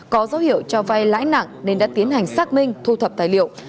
có dấu hiệu cho vay lãi nặng nên đã tiến hành xác minh thu thập tài liệu